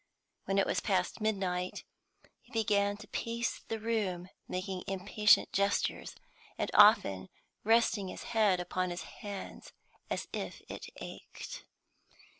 When it was past midnight he began to pace the room, making impatient gestures, and often resting his head upon his hands as if it ached.